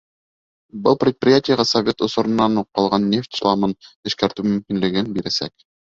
Был предприятиеға совет осоронан уҡ ҡалған нефть шламын эшкәртеү мөмкинлеген бирәсәк.